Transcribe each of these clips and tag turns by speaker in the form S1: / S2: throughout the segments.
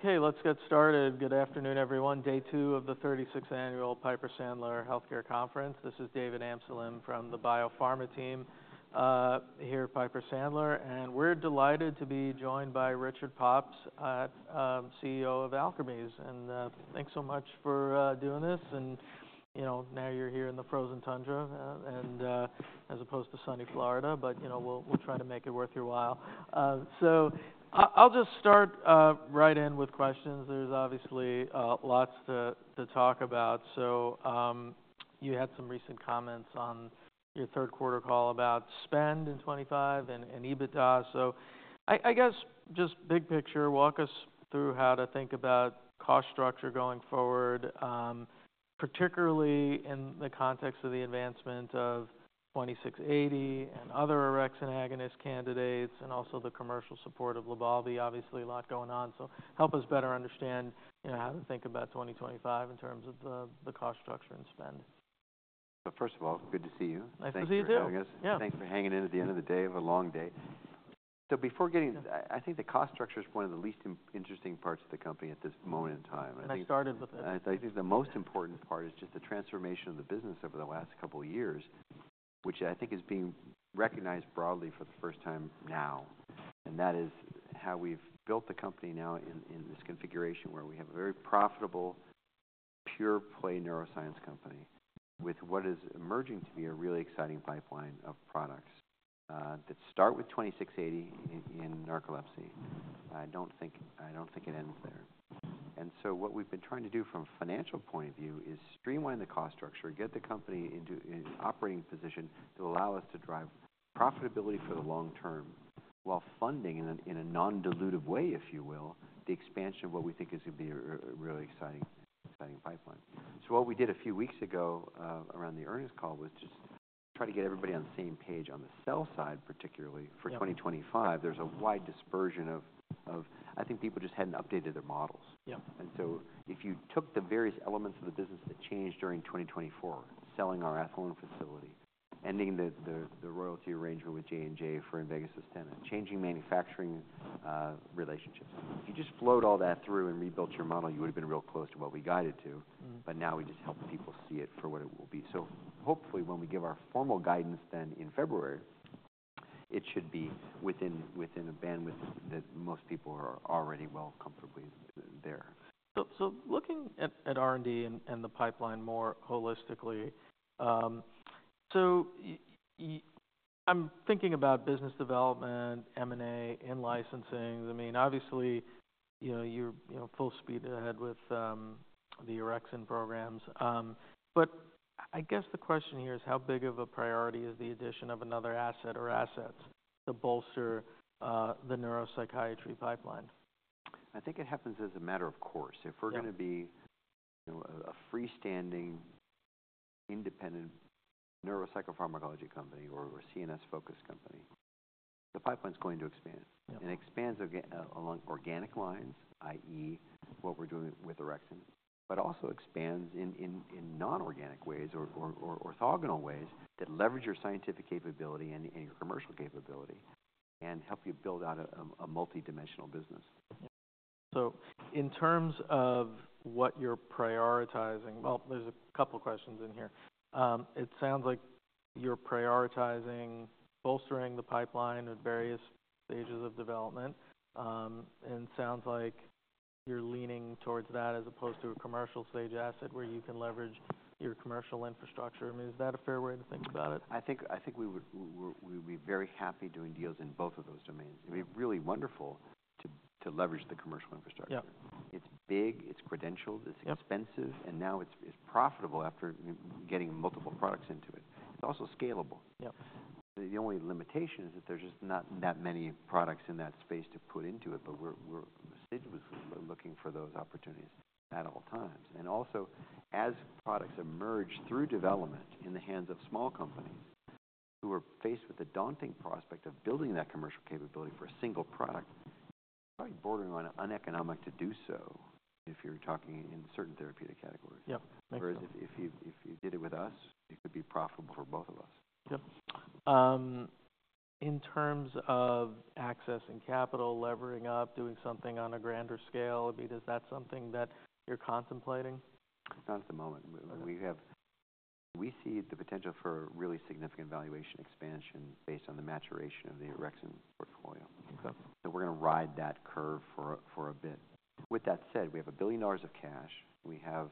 S1: Okay, let's get started. Good afternoon, everyone. Day two of the 36th Annual Piper Sandler Healthcare Conference. This is David Amsellem from the Biopharma team here at Piper Sandler, and we're delighted to be joined by Richard Pops, CEO of Alkermes, and thanks so much for doing this. You know, now you're here in the frozen tundra as opposed to sunny Florida, but, you know, we'll try to make it worth your while, so I'll just start right in with questions. There's obviously lots to talk about, so you had some recent comments on your third quarter call about spend in 2025 and EBITDA, so I guess just big picture, walk us through how to think about cost structure going forward, particularly in the context of the advancement of 2680 and other orexin agonist candidates, and also the commercial support of Lybalvi, obviously a lot going on. So help us better understand how to think about 2025 in terms of the cost structure and spend.
S2: First of all, good to see you.
S1: Nice to see you too.
S2: Thanks for hanging in at the end of the day of a long day. So before getting, I think the cost structure is one of the least interesting parts of the company at this moment in time.
S1: I started with it.
S2: I think the most important part is just the transformation of the business over the last couple of years, which I think is being recognized broadly for the first time now. And that is how we've built the company now in this configuration where we have a very profitable, pure-play neuroscience company with what is emerging to be a really exciting pipeline of products that start with 2680 in narcolepsy. I don't think it ends there. And so what we've been trying to do from a financial point of view is streamline the cost structure, get the company into an operating position to allow us to drive profitability for the long term while funding in a non-dilutive way, if you will, the expansion of what we think is going to be a really exciting pipeline. So what we did a few weeks ago around the earnings call was just try to get everybody on the same page on the sell side, particularly for 2025. There's a wide dispersion of, I think people just hadn't updated their models. And so if you took the various elements of the business that changed during 2024, selling our ethylene facility, ending the royalty arrangement with J&J for Invega Sustenna, changing manufacturing relationships, if you just flowed all that through and rebuilt your model, you would have been real close to what we guided to. But now we just help people see it for what it will be. So hopefully when we give our formal guidance then in February, it should be within a bandwidth that most people are already well comfortably there.
S1: So looking at R&D and the pipeline more holistically, so I'm thinking about business development, M&A, and licensing. I mean, obviously, you're full speed ahead with the orexin programs. But I guess the question here is how big of a priority is the addition of another asset or assets to bolster the neuropsychiatry pipeline?
S2: I think it happens as a matter of course. If we're going to be a freestanding, independent neuropsychopharmacology company or a CNS-focused company, the pipeline is going to expand, and it expands along organic lines, i.e., what we're doing with orexin, but also expands in non-organic ways or orthogonal ways that leverage your scientific capability and your commercial capability and help you build out a multidimensional business.
S1: So in terms of what you're prioritizing, well, there's a couple of questions in here. It sounds like you're prioritizing bolstering the pipeline at various stages of development, and it sounds like you're leaning towards that as opposed to a commercial stage asset where you can leverage your commercial infrastructure. I mean, is that a fair way to think about it?
S2: I think we would be very happy doing deals in both of those domains. It would be really wonderful to leverage the commercial infrastructure. It's big, it's credentialed, it's expensive, and now it's profitable after getting multiple products into it. It's also scalable. The only limitation is that there's just not that many products in that space to put into it. But we're assiduously looking for those opportunities at all times. And also, as products emerge through development in the hands of small companies who are faced with the daunting prospect of building that commercial capability for a single product, it's probably bordering on uneconomic to do so if you're talking in certain therapeutic categories.
S1: Yep.
S2: Whereas if you did it with us, it could be profitable for both of us.
S1: In terms of access and capital, levering up, doing something on a grander scale, I mean, is that something that you're contemplating?
S2: Not at the moment. We see the potential for really significant valuation expansion based on the maturation of the orexin portfolio. So we're going to ride that curve for a bit. With that said, we have $1 billion of cash. We have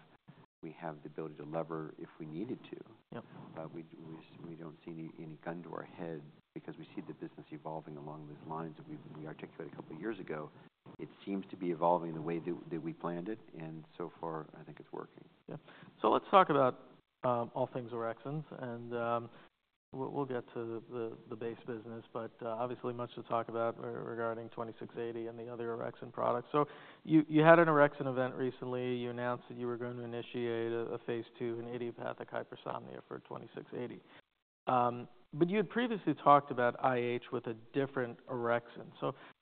S2: the ability to lever if we needed to. We don't see any gun to our head because we see the business evolving along these lines that we articulated a couple of years ago. It seems to be evolving the way that we planned it. And so far, I think it's working.
S1: Let's talk about all things orexin. We'll get to the base business, but obviously much to talk about regarding 2680 and the other orexin and products. You had an orexin event recently. You announced that you were going to initiate a phase II in idiopathic hypersomnia for 2680. But you had previously talked about IH with a different orexin.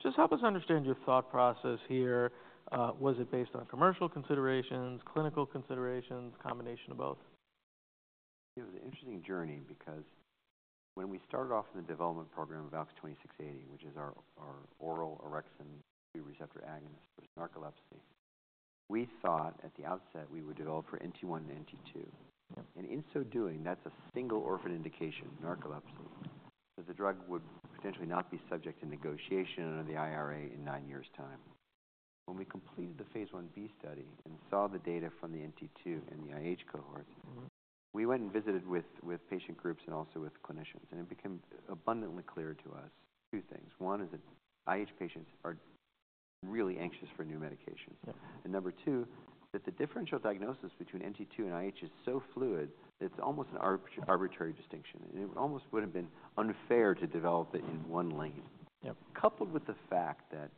S1: Just help us understand your thought process here. Was it based on commercial considerations, clinical considerations, combination of both?
S2: It was an interesting journey because when we started off in the development program of ALKS 2680, which is our oral orexin 2 receptor agonist for narcolepsy, we thought at the outset we would develop for NT1 and NT2, and in so doing, that's a single orphan indication, narcolepsy, because the drug would potentially not be subject to negotiation under the IRA in nine years' time. When we completed the phase 1b study and saw the data from the NT2 and the IH cohorts, we went and visited with patient groups and also with clinicians, and it became abundantly clear to us two things. One is that IH patients are really anxious for new medications, and number two, that the differential diagnosis between NT2 and IH is so fluid that it's almost an arbitrary distinction. It almost would have been unfair to develop it in one lane, coupled with the fact that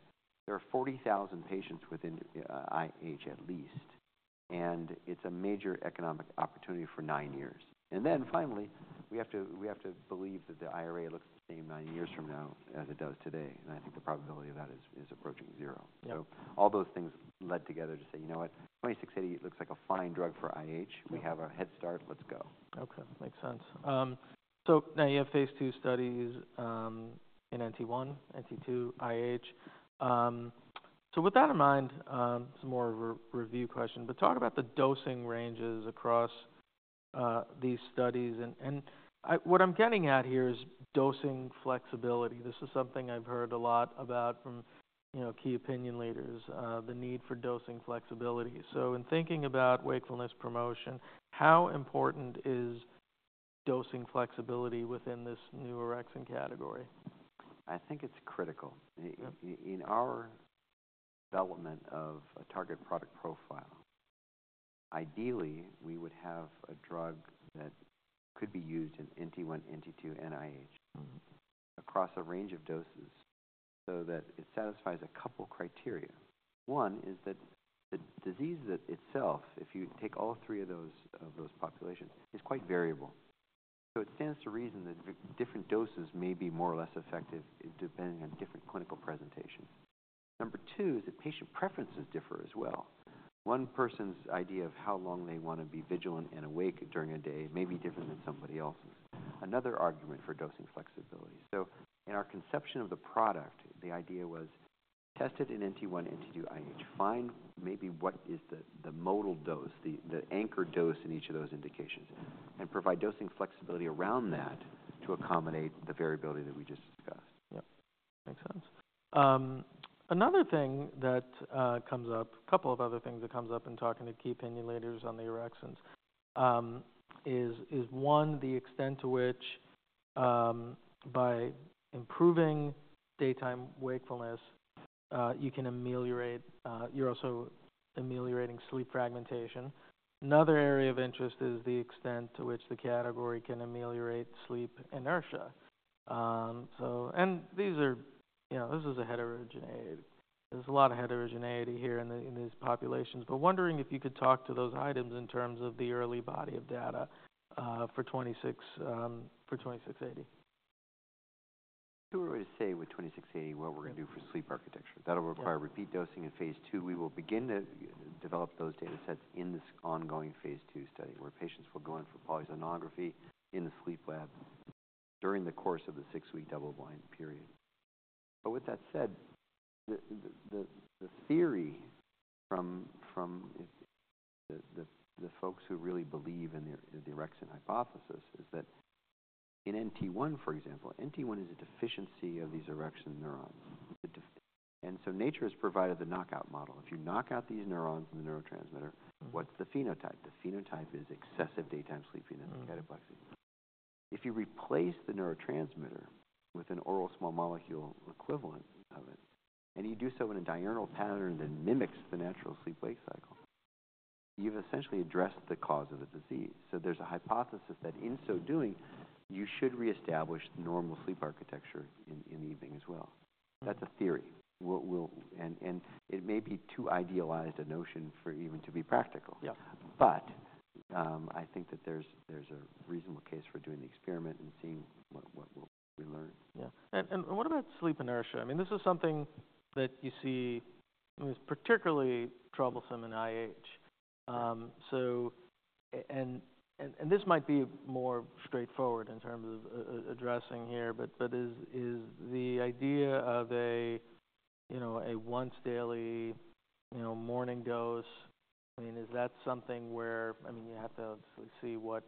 S2: there are 40,000 patients within IH at least, and it's a major economic opportunity for nine years. Finally, we have to believe that the IRA looks the same nine years from now as it does today. I think the probability of that is approaching zero. All those things led together to say, you know what, 2680 looks like a fine drug for IH. We have a head start. Let's go.
S1: Okay, makes sense. So now you have phase II studies in NT1, NT2, IH. So with that in mind, some more review questions, but talk about the dosing ranges across these studies. And what I'm getting at here is dosing flexibility. This is something I've heard a lot about from key opinion leaders, the need for dosing flexibility. So in thinking about wakefulness promotion, how important is dosing flexibility within this new orexin category?
S2: I think it's critical. In our development of a target product profile, ideally, we would have a drug that could be used in NT1, NT2, and IH across a range of doses so that it satisfies a couple of criteria. One is that the disease itself, if you take all three of those populations, is quite variable. So it stands to reason that different doses may be more or less effective depending on different clinical presentations. Number two is that patient preferences differ as well. One person's idea of how long they want to be vigilant and awake during a day may be different than somebody else's. Another argument for dosing flexibility. So in our conception of the product, the idea was tested in NT1, NT2, IH, find maybe what is the modal dose, the anchor dose in each of those indications, and provide dosing flexibility around that to accommodate the variability that we just discussed.
S1: Yep, makes sense. Another thing that comes up, a couple of other things that comes up in talking to key opinion leaders on the orexin axis, and is, one, the extent to which by improving daytime wakefulness, you can ameliorate, you're also ameliorating sleep fragmentation. Another area of interest is the extent to which the category can ameliorate sleep inertia. And this is a heterogeneity. There's a lot of heterogeneity here in these populations. But wondering if you could talk to those items in terms of the early body of data for 2680.
S2: If we were to say with 2680 what we're going to do for sleep architecture, that'll require repeat dosing in phase II. We will begin to develop those data sets in this ongoing phase II study where patients will go in for polysomnography in the sleep lab during the course of the six-week double-blind period. But with that said, the theory from the folks who really believe in the orexin hypothesis is that in NT1, for example, NT1 is a deficiency of these orexin neurons. And so nature has provided the knockout model. If you knock out these neurons in the neurotransmitter, what's the phenotype? The phenotype is excessive daytime sleeping and cataplexy. If you replace the neurotransmitter with an oral small molecule equivalent of it, and you do so in a diurnal pattern that mimics the natural sleep-wake cycle, you've essentially addressed the cause of the disease. So there's a hypothesis that in so doing, you should reestablish normal sleep architecture in the evening as well. That's a theory. And it may be too idealized a notion for even to be practical. But I think that there's a reasonable case for doing the experiment and seeing what we learn.
S1: Yeah. And what about sleep inertia? I mean, this is something that you see is particularly troublesome in IH. And this might be more straightforward in terms of addressing here, but is the idea of a once-daily morning dose? I mean, is that something where, I mean, you have to see what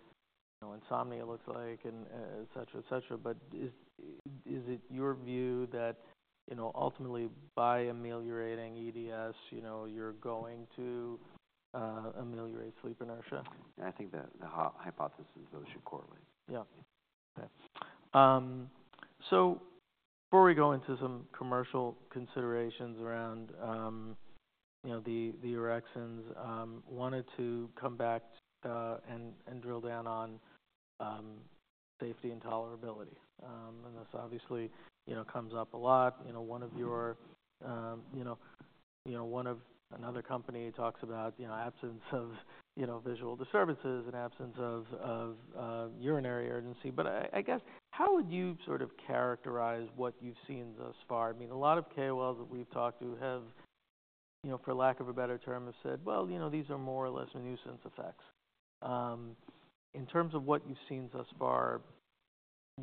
S1: insomnia looks like, et cetera, et cetera. But is it your view that ultimately by ameliorating EDS, you're going to ameliorate sleep inertia?
S2: I think the hypothesis though should correlate.
S1: Yeah. Okay. So before we go into some commercial considerations around the orexin, wanted to come back and drill down on safety and tolerability. And this obviously comes up a lot. One of another company talks about absence of visual disturbances and absence of urinary urgency. But I guess how would you sort of characterize what you've seen thus far? I mean, a lot of KOLs that we've talked to have, for lack of a better term, said, well, you know, these are more or less nuisance effects. In terms of what you've seen thus far,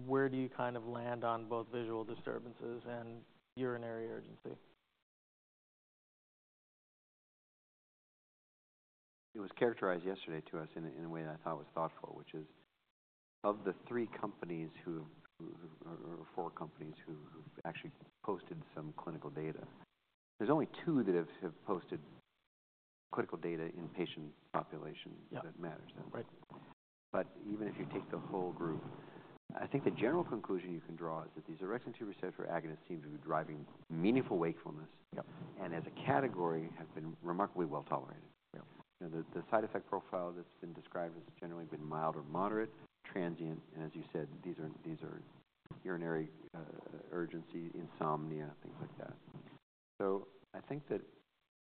S1: where do you kind of land on both visual disturbances and urinary urgency?
S2: It was characterized yesterday to us in a way that I thought was thoughtful, which is of the three companies who have or four companies who actually posted some clinical data, there's only two that have posted clinical data in patient population that matters, but even if you take the whole group, I think the general conclusion you can draw is that these orexin 2 receptor agonists seem to be driving meaningful wakefulness, and as a category, have been remarkably well tolerated. The side effect profile that's been described has generally been mild or moderate, transient, and as you said, these are urinary urgency, insomnia, things like that, so I think that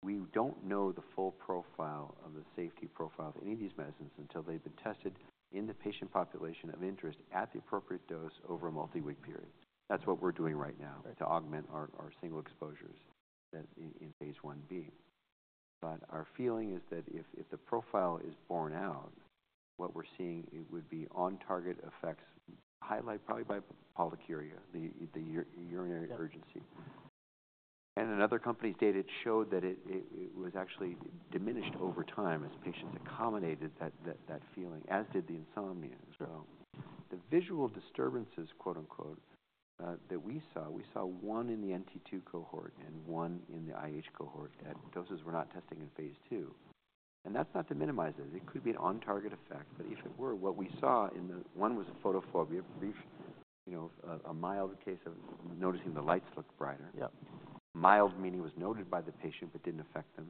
S2: we don't know the full profile of the safety profile of any of these medicines until they've been tested in the patient population of interest at the appropriate dose over a multi-week period. That's what we're doing right now to augment our single exposures in phase I B. But our feeling is that if the profile is borne out, what we're seeing would be on-target effects highlighted probably by polyuria, the urinary urgency. And another company's data showed that it was actually diminished over time as patients accommodated that feeling, as did the insomnia. So the visual disturbances, quote unquote, that we saw, we saw one in the NT2 cohort and one in the IH cohort that doses were not testing in phase II. And that's not to minimize it. It could be an on-target effect. But if it were, what we saw in the one was a photophobia, a mild case of noticing the lights look brighter. Mild meaning was noted by the patient, but didn't affect them.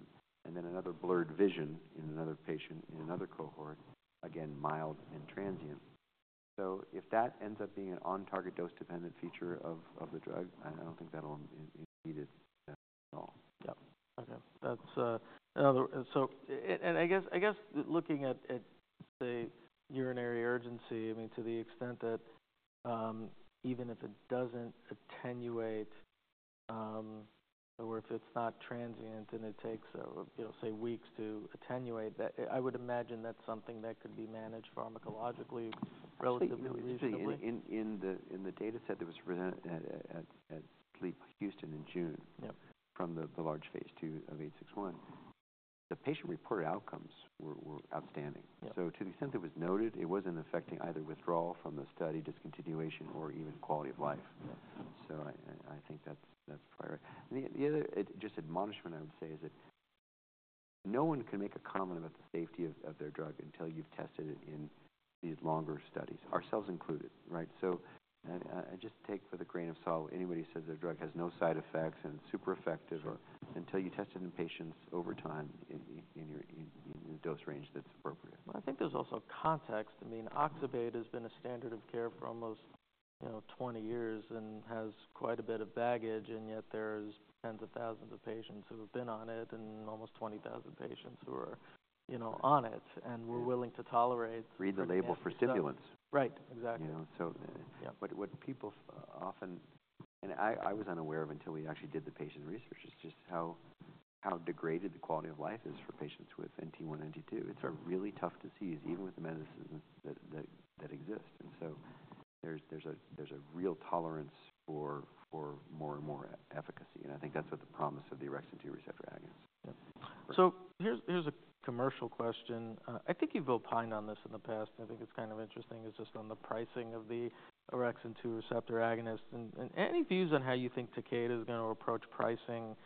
S2: Another blurred vision in another patient in another cohort, again, mild and transient. If that ends up being an on-target dose-dependent feature of the drug, I don't think that'll impede it at all.
S1: Yep. Okay. And I guess looking at, say, urinary urgency, I mean, to the extent that even if it doesn't attenuate or if it's not transient and it takes, say, weeks to attenuate, I would imagine that's something that could be managed pharmacologically relatively reasonably.
S2: In the data set that was presented at Houston in June from the large phase II of 861, the patient reported outcomes were outstanding. So to the extent that it was noted, it wasn't affecting either withdrawal from the study, discontinuation, or even quality of life. So I think that's probably right. The other just admonishment I would say is that no one can make a comment about the safety of their drug until you've tested it in these longer studies, ourselves included, right? So I just take it with a grain of salt if anybody says their drug has no side effects and is super effective until you test it in patients over time in the dose range that's appropriate.
S1: I think there's also context. I mean, Oxybate has been a standard of care for almost 20 years and has quite a bit of baggage. And yet there's tens of thousands of patients who have been on it and almost 20,000 patients who are on it and were willing to tolerate.
S2: Read the label for stimulants.
S1: Right, exactly.
S2: So what people often, and I was unaware of until we actually did the patient research, is just how degraded the quality of life is for patients with NT1, NT2. It's really tough to see even with the medicines that exist. And so there's a real tolerance for more and more efficacy. And I think that's what the promise of the orexin 2 receptor agonists.
S1: So here's a commercial question. I think you've opined on this in the past. I think it's kind of interesting is just on the pricing of the orexin 2 receptor agonists. And any views on how you think Takeda is going to approach pricing,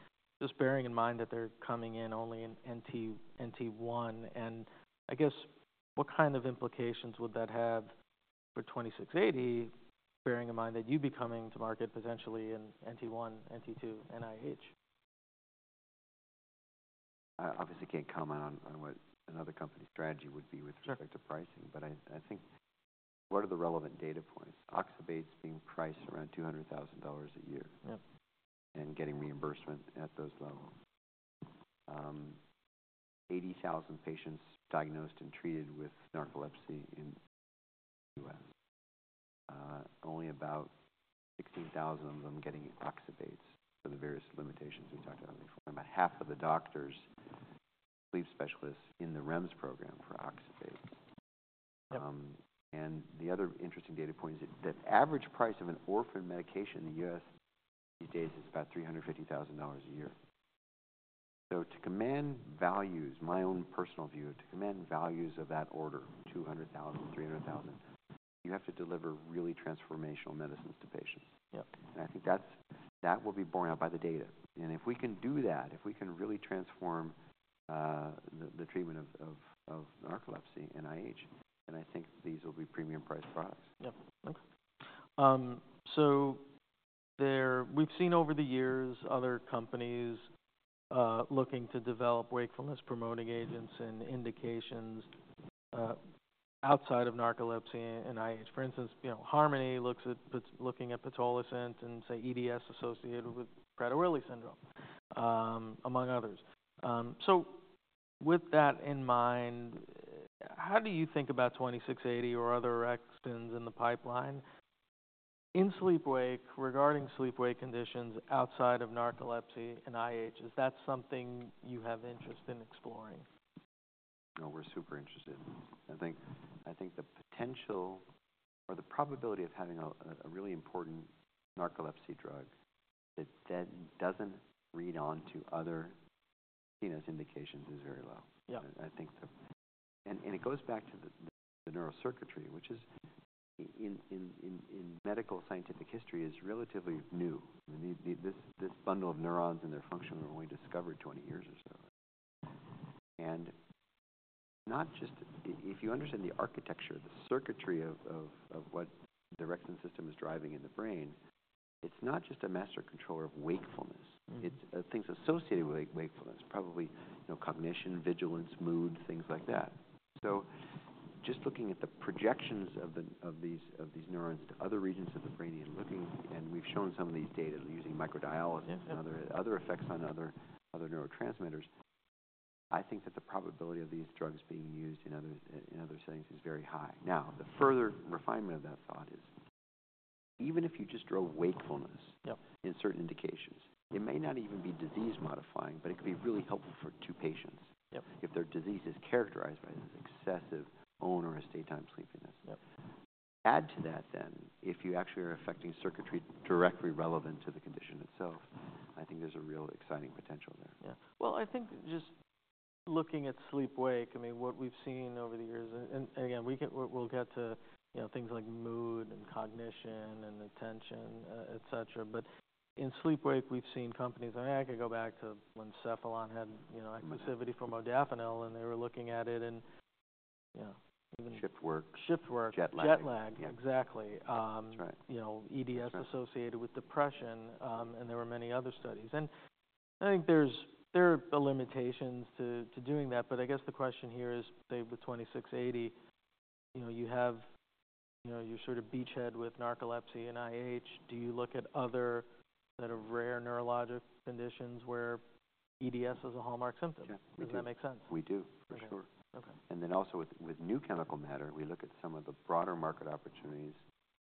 S1: just bearing in mind that they're coming in only in NT1? And I guess what kind of implications would that have for 2680, bearing in mind that you'd be coming to market potentially in NT1, NT2, and IH?
S2: I obviously can't comment on what another company's strategy would be with respect to pricing. But I think what are the relevant data points? Oxybate's being priced around $200,000 a year and getting reimbursement at those levels. 80,000 patients diagnosed and treated with narcolepsy in the U.S. Only about 16,000 of them getting Oxybates for the various limitations we talked about before. And about half of the doctors, sleep specialists in the REMS program for Oxybates. And the other interesting data point is that the average price of an orphan medication in the U.S. these days is about $350,000 a year. So to command values, my own personal view, to command values of that order, $200,000, $300,000, you have to deliver really transformational medicines to patients. And I think that will be borne out by the data. If we can do that, if we can really transform the treatment of narcolepsy and IH, then I think these will be premium price products.
S1: Yep. Okay. So we've seen over the years other companies looking to develop wakefulness-promoting agents and indications outside of narcolepsy and IH. For instance, Harmony looks at Pitolisant and say EDS associated with Prader-Willi syndrome, among others. So with that in mind, how do you think about 2680 or other orexin agonists in the pipeline in sleep-wake, regarding sleep-wake conditions outside of narcolepsy and IH? Is that something you have interest in exploring?
S2: No, we're super interested. I think the potential or the probability of having a really important narcolepsy drug that doesn't read on to other indications is very low, and it goes back to the neurocircuitry, which, in medical scientific history, is relatively new. This bundle of neurons and their function were only discovered 20 years or so, and, not just if you understand the architecture, the circuitry of what the orexin system is driving in the brain, it's not just a master controller of wakefulness. It's things associated with wakefulness, probably cognition, vigilance, mood, things like that. So just looking at the projections of these neurons to other regions of the brain and looking, and we've shown some of these data using microdialysis and other effects on other neurotransmitters, I think that the probability of these drugs being used in other settings is very high. Now, the further refinement of that thought is even if you just draw wakefulness in certain indications, it may not even be disease modifying, but it could be really helpful for two patients if their disease is characterized by this excessive onerous daytime sleepiness. Add to that then if you actually are affecting circuitry directly relevant to the condition itself, I think there's a real exciting potential there.
S1: Yeah, well, I think just looking at sleep-wake, I mean, what we've seen over the years, and again, we'll get to things like mood and cognition and attention, et cetera. But in sleep-wake, we've seen companies, I mean, I could go back to when Cephalon had exclusivity for modafinil, and they were looking at it and yeah.
S2: Shift work.
S1: Shift work.
S2: Jet lag.
S1: Jet lag, exactly.
S2: That's right.
S1: EDS associated with depression. And there were many other studies. And I think there are limitations to doing that. But I guess the question here is, say, with 2680, you have your sort of beachhead with narcolepsy and IH. Do you look at other sort of rare neurologic conditions where EDS is a hallmark symptom? Does that make sense?
S2: We do, for sure. And then also with new chemical matter, we look at some of the broader market opportunities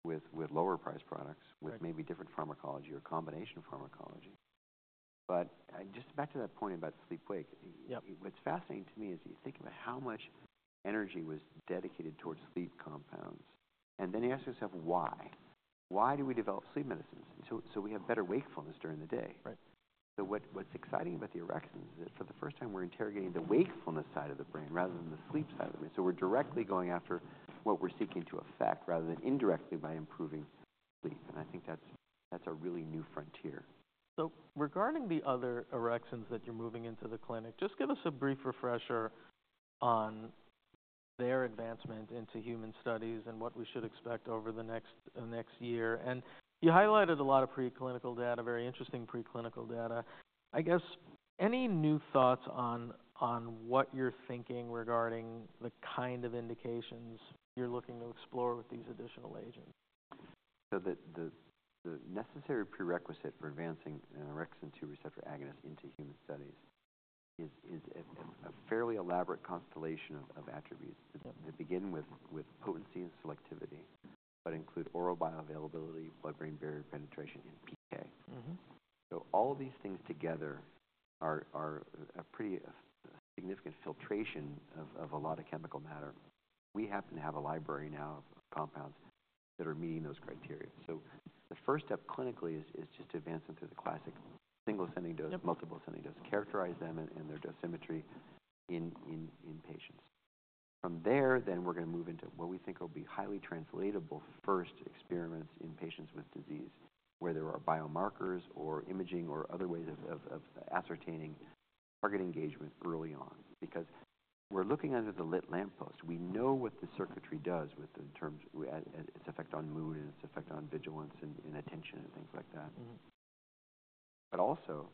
S2: with lower price products with maybe different pharmacology or combination pharmacology. But just back to that point about sleep-wake, what's fascinating to me is you think about how much energy was dedicated towards sleep compounds. And then you ask yourself, why? Why do we develop sleep medicines? So we have better wakefulness during the day. So what's exciting about the orexins is that for the first time, we're interrogating the wakefulness side of the brain rather than the sleep side of the brain. So we're directly going after what we're seeking to affect rather than indirectly by improving sleep. And I think that's a really new frontier.
S1: So regarding the other orexin agonists that you're moving into the clinic, just give us a brief refresher on their advancement into human studies and what we should expect over the next year. And you highlighted a lot of preclinical data, very interesting preclinical data. I guess any new thoughts on what you're thinking regarding the kind of indications you're looking to explore with these additional agents?
S2: The necessary prerequisite for advancing orexin 2 receptor agonists into human studies is a fairly elaborate constellation of attributes that begin with potency and selectivity, but include oral bioavailability, blood-brain barrier penetration, and PK. All of these things together are a pretty significant filtration of a lot of chemical matter. We happen to have a library now of compounds that are meeting those criteria. The first step clinically is just to advance them through the classic single ascending dose, multiple ascending dose, characterize them and their pharmacology in patients. From there, then we're going to move into what we think will be highly translatable first experiments in patients with disease where there are biomarkers or imaging or other ways of ascertaining target engagement early on. Because we're looking under the lit lamppost. We know what the circuitry does in terms of its effect on mood and its effect on vigilance and attention and things like that. But also,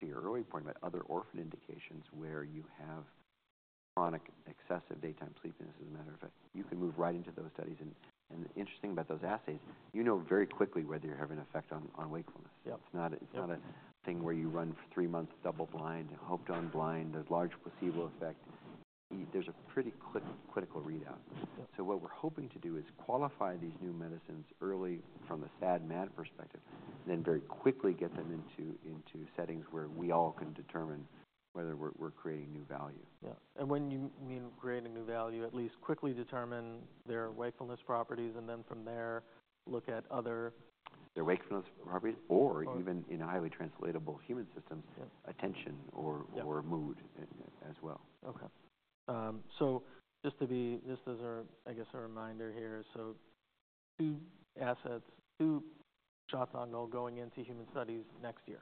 S2: to your earlier point about other orphan indications where you have chronic excessive daytime sleepiness, as a matter of fact, you can move right into those studies. And the interesting thing about those assays, you know very quickly whether you're having an effect on wakefulness. It's not a thing where you run three months double-blind, hope to unblind, there's large placebo effect. There's a pretty quick clinical readout. So what we're hoping to do is qualify these new medicines early from the SAD/MAD perspective, and then very quickly get them into settings where we all can determine whether we're creating new value.
S1: Yeah, and what you mean creating new value, at least quickly determine their wakefulness properties, and then from there, look at other.
S2: Their wakefulness properties, or even in highly translatable human systems, attention or mood as well.
S1: Okay. So just to be, as a, I guess, a reminder here, so two assets, two shots on goal going into human studies next year.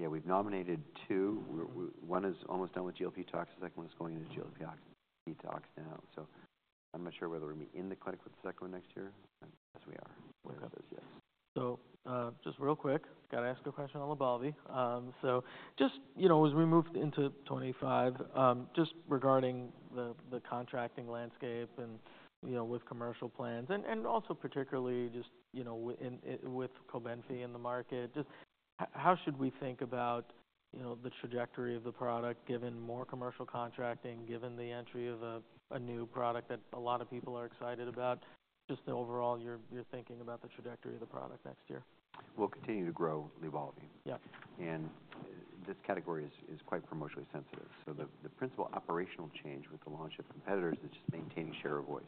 S2: Yeah, we've nominated two. One is almost done with GLP tox, the second one is going into GLP tox now. So I'm not sure whether we'll be in the clinic with the second one next year. Yes, we are.
S1: Okay.
S2: Yes.
S1: Just real quick, got to ask a question off the bat. Just as we move into 2025, just regarding the contracting landscape and with commercial plans, and also particularly just with Cobenfy in the market, just how should we think about the trajectory of the product given more commercial contracting, given the entry of a new product that a lot of people are excited about? Just overall, what you're thinking about the trajectory of the product next year.
S2: We'll continue to grow, evolve. And this category is quite promotionally sensitive. So the principal operational change with the launch of competitors is just maintaining share of voice.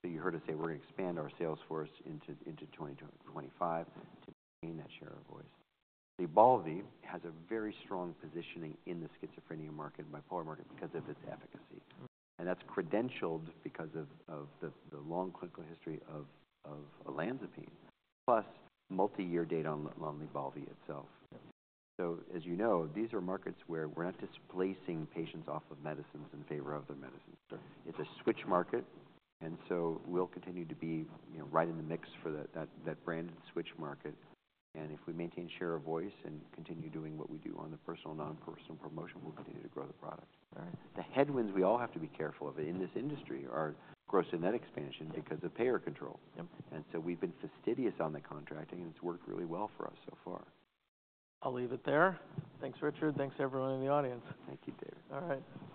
S2: So you heard us say we're going to expand our sales force into 2025 to maintain that share of voice. Lybalvi has a very strong positioning in the schizophrenia market, bipolar market, because of its efficacy. And that's credentialed because of the long clinical history of olanzapine, plus multi-year data on Lybalvi itself. So as you know, these are markets where we're not displacing patients off of medicines in favor of their medicines. It's a switch market. And so we'll continue to be right in the mix for that branded switch market. And if we maintain share of voice and continue doing what we do on the personal and nonpersonal promotion, we'll continue to grow the product. The headwinds we all have to be careful of in this industry are gross net expansion because of payer control, and so we've been fastidious on the contracting, and it's worked really well for us so far.
S1: I'll leave it there. Thanks, Richard. Thanks, everyone in the audience.
S2: Thank you, David.
S1: All right.